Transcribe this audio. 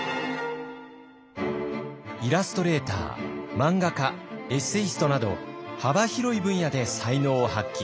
イラストレーター漫画家エッセイストなど幅広い分野で才能を発揮。